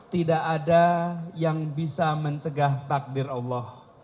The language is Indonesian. tidak ada yang bisa mencegah takdir allah